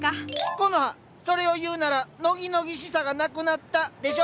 コノハそれを言うならノギノギしさがなくなったでしょ。